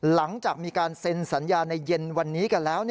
หลังจากมีการเซ็นสัญญาในเย็นวันนี้กันแล้ว